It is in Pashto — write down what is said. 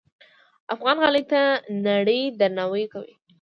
افغان غالۍ ته نړۍ درناوی کوي.